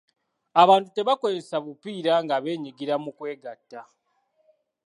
Abantu tebakozesa bupiira nga beenyigira mu kwegatta.